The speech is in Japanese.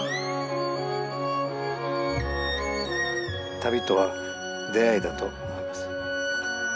旅とは出会いだと思います。